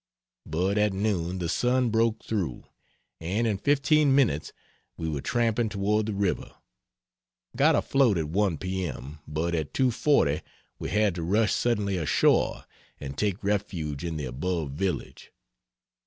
But at noon the sun broke through and in 15 minutes we were tramping toward the river. Got afloat at 1 p. m. but at 2.40 we had to rush suddenly ashore and take refuge in the above village.